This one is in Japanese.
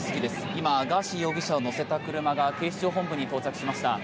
今、ガーシー容疑者を乗せた車が警視庁本部に到着しました。